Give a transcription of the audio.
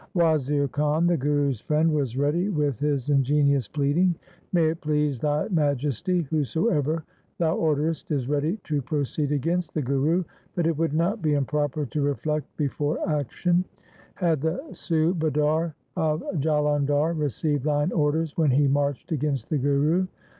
Wazir Khan, the Guru's friend, was ready with his ingenious pleading —' May it please thy Majesty, whosoever thou orderest is ready to proceed against the Guru, but it would not be improper to reflect before action. Had the Subadar of Jalandhar received thine orders when he marched against the Guru